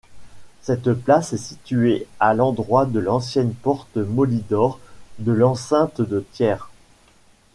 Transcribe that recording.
Cette place est située à l'endroit de l'ancienne porte Molitor de l'enceinte de Thiers.